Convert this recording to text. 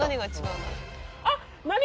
あっ！